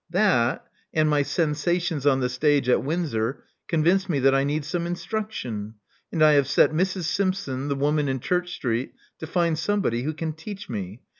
That, and my sensations on the stage at Windsor, con vinced me that I need some instruction; and I have set Mrs. Simpson, the woman in Church Street, to find somebody who can teach me.